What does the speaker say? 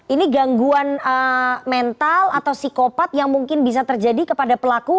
ini gangguan mental atau psikopat yang mungkin bisa terjadi kepada pelaku